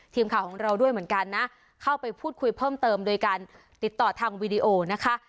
ทีมข่าวของเราด้วยเหมือนกันนะเข้าไปพูดคุยเพิ่มเติมโดยการติดต่อทางวีดีโอนะคะ